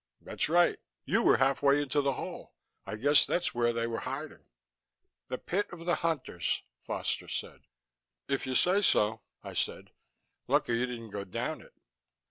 "That's right. You were halfway into the hole. I guess that's where they were hiding." "The Pit of the Hunters," Foster said. "If you say so," I said. "Lucky you didn't go down it."